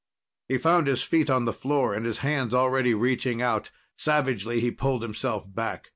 He found his feet on the floor and his hands already reaching out. Savagely he pulled himself back.